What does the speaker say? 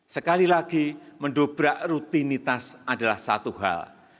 sekali lagi mendobrak rutinitas adalah satu hal